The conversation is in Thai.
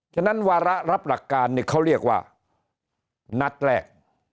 ฉะนั้นวาระรับหลักการเขาเรียกว่านัดแรก